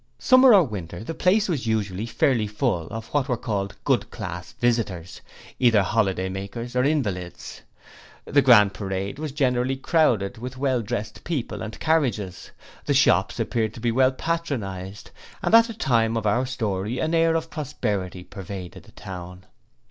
Summer or winter the place was usually fairly full of what were called good class visitors, either holidaymakers or invalids. The Grand Parade was generally crowded with well dressed people and carriages. The shops appeared to be well patronized and at the time of our story an air of prosperity pervaded the town.